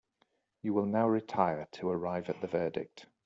You will now retire to arrive at a verdict.